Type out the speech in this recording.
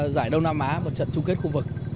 giải đông nam á và trận chung kết khu vực